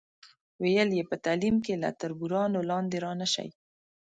ویل یې په تعلیم کې له تربورانو لاندې را نشئ.